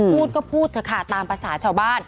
พูดก็พูดเถอะค่ะตามภาษาชาวบ้าน